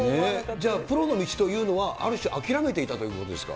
じゃあ、プロの道というのは、ある種、諦めていたということですか。